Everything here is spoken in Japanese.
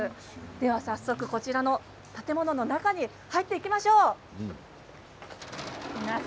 早速、建物の中に入っていきましょう。